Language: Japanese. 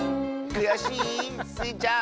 くやしい？スイちゃん。